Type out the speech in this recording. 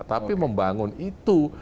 tapi membangun itu